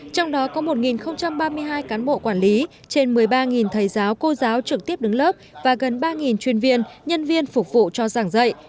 trong đó có một ba mươi hai cán bộ quản lý trên một mươi ba thầy giáo cô giáo trực tiếp đứng lớp và gần ba chuyên viên nhân viên phục vụ cho giảng dạy